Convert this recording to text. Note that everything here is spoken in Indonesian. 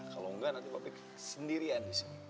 kalau enggak nanti lebih kesendirian di sini